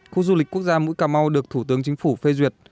khu du lịch quốc gia mũi cà mau được thủ tướng chính phủ phê duyệt